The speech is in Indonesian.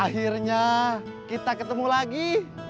akhirnya kita ketemu lagi